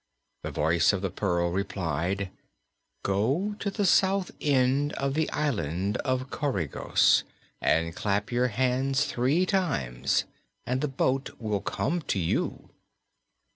The Voice of the Pearl replied: "Go to the south end of the Island of Coregos, and clap your hands three times and the boat will come to you.